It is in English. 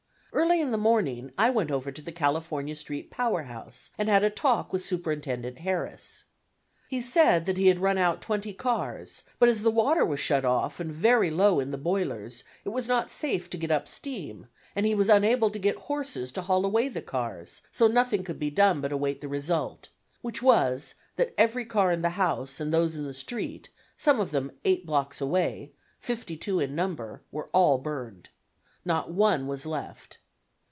Early in the morning I went over to the California Street power house and had a talk with Superintendent Harris. He said that he had run out 20 cars, but as the water was shut off and very low in the boilers, it was not safe to get up steam, and he was unable to get horses to haul away the cars; so nothing could be done but await the result, which was that every car in the house and those in the street, some of them eight blocks away, 52 in number, were all burned. Not one was left.